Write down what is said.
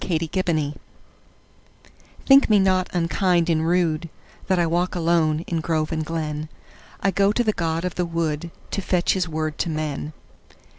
The Apology THINK me not unkind and rudeThat I walk alone in grove and glen;I go to the god of the woodTo fetch his word to men.